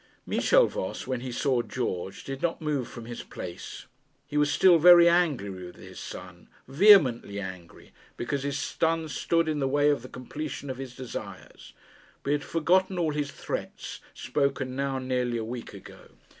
Michel Voss, when he saw George, did not move from his place. He was still very angry with his son, vehemently angry, because his son stood in the way of the completion of his desires. But he had forgotten all his threats, spoken now nearly a week ago.